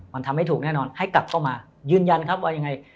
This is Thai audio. มันทำให้ถูกแน่นอนให้กลับเข้ามายืนยันครับว่ายังไง